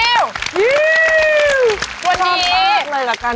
วันนี้ช้าภัษส์เลยละกัล